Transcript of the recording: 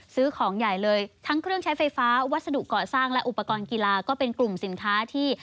ซื้อของใหญ่เลยทั้งเครื่องใช้ไฟฟ้าวัสดุเกาะสร้างและอุปกรณ์กีฬาก็เป็นกลุ่มสินค้าที่